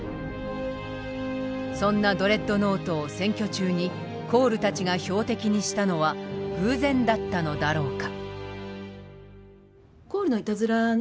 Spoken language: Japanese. そんなドレッドノートを選挙中にコールたちが標的にしたのは偶然だったのだろうか？